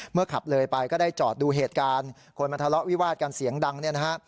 ขับเลยไปก็ได้จอดดูเหตุการณ์คนมาทะเลาะวิวาดกันเสียงดังเนี่ยนะฮะ